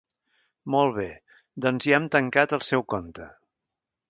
Molt bé, doncs ja hem tancat el seu compte.